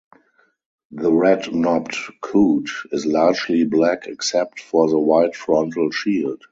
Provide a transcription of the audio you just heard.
The red-knobbed coot is largely black except for the white frontal shield.